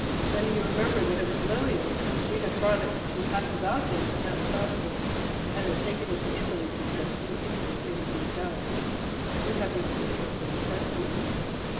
Then he remembered that it was Lilia's. She had brought it "to hack about in" at Sawston, and had taken it to Italy because "in Italy anything does." He had rebuked her for the sentiment.